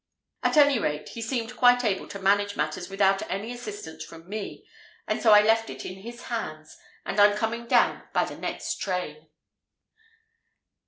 At any rate, he seemed quite able to manage matters without any assistance from me, and so I left it in his hands, and I'm coming down by the next train."